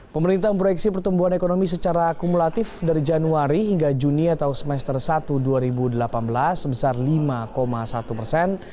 pemerintah memproyeksi pertumbuhan ekonomi secara akumulatif dari januari hingga juni atau semester satu dua ribu delapan belas sebesar lima satu persen